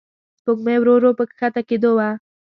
سپوږمۍ ورو ورو په کښته کېدو وه.